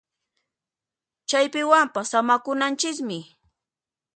Chaypiwanpas samakunanchismi